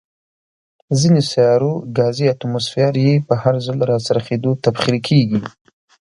ځینو سیارو ګازي اتموسفیر یې په هر ځل راڅرخېدو، تبخیر کیږي.